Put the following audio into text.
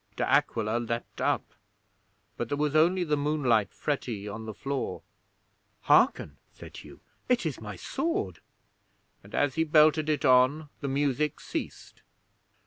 De Aquila leaped up; but there was only the moonlight fretty on the floor. '"Hearken!" said Hugh. "It is my sword," and as he belted it on the music ceased.